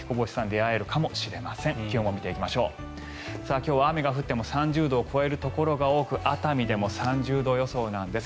今日は雨が降っても３０度を超えるところが多く熱海でも３０度予想です。